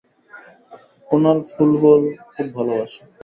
Kunal football খুব ভালবাসে।